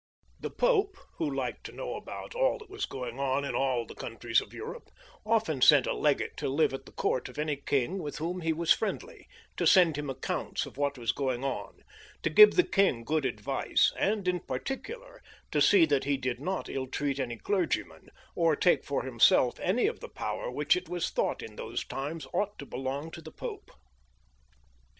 The Pope, who liked to t \ XIX.] LOUIS IX. {SAINT LOUIS). 113 know alDtout all that was going on in all the countries of Europe, often sent a Legate to live at the court of any king with whom he was friendly, to send him accounts of what was going on, to give the king good advice, and in parti cular to see that he did not ill treat any clergyman, or take for himseK any of the power which it was thought in those times ought to belong to the Pope.